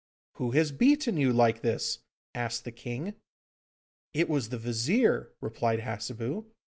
'Who has beaten you like this?' asked the King. 'It was the Vizir,' replied Hassebu.